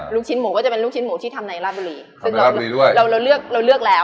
ลูกชิ้นหมูก็จะเป็นลูกชิ้นหมูที่ทำในราบบุรีซึ่งเราเราเลือกเราเลือกแล้ว